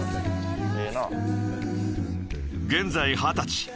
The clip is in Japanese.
［現在二十歳］